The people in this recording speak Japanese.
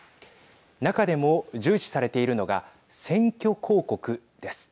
中でも重視されているのが選挙広告です。